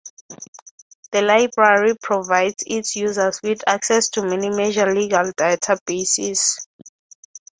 The library provides its users with access to many major legal databases.